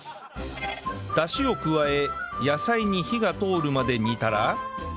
ダシを加え野菜に火が通るまで煮たら